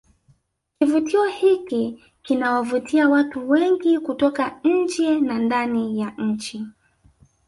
kivutio hiki kinawavutia watu wengi kutoka nje na ndani ya nchi